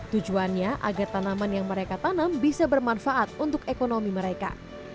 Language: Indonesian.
tujuannya agar tanaman yang mereka tanam bisa bermanfaat untuk ekonomi mereka